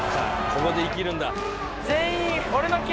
ここで生きるんだ。